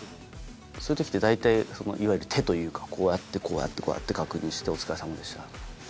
そういう時って大体いわゆる手というかこうやってこうやって確認してお疲れさまでした。